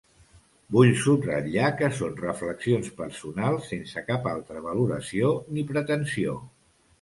Vull subratllar que són reflexions personals sense cap altra valoració, ni pretensió.